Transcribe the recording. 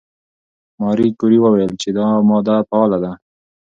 ماري کوري وویل چې دا ماده فعاله ده.